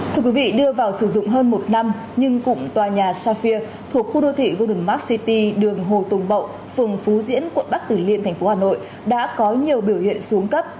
thưa quý vị đưa vào sử dụng hơn một năm nhưng cụm tòa nhà sarphip thuộc khu đô thị golden mark city đường hồ tùng bậu phường phú diễn quận bắc từ liên ve đã có nhiều biểu hiện xuống cấp